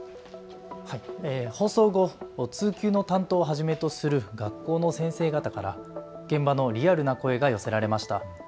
放送後、通級の担当をはじめとする学校の先生方から現場のリアルな声が寄せられました。